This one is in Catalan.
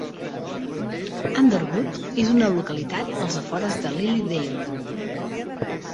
Underwood és una localitat als afores de Lilydale.